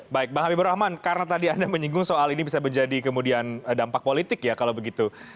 baik bang habibur rahman karena tadi anda menyinggung soal ini bisa menjadi kemudian dampak politik ya kalau begitu